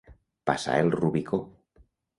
Passar el Rubicó.